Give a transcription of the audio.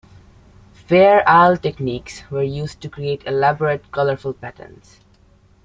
Fair Isle techniques were used to create elaborate colorful patterns.